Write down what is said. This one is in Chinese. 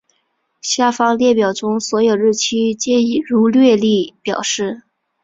下方列表中所有日期皆以儒略历表示。